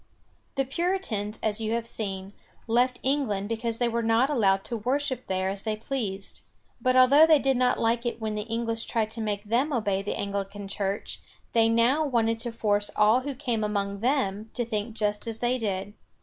The Puritans, as you have seen, left England because they were not allowed to worship there as they pleased. But although they did not like it when the English tried to make them obey the Anglican Church, they now wanted to force all who came among them to think just as they did.